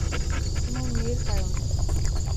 তোমার মেয়ের কারণে।